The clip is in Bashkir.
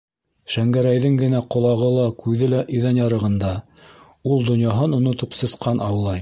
Шәңгәрәйҙең генә ҡолағы ла, күҙе лә иҙән ярығында: ул, донъяһын онотоп, сысҡан аулай.